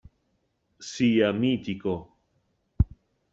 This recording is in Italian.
Sia mitico.